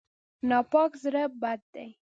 ناپاک زړه بد دی.